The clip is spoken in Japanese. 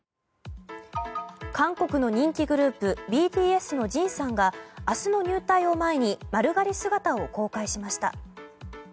韓国の人気グループＢＴＳのＪＩＮさんが明日の入隊を前に丸刈り姿を公開しました。